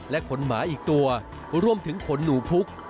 ขนหมาอีกตัวรวมถึงขนหนูพุก